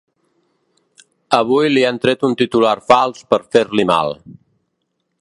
Avui li han tret un titular fals per fer-li mal.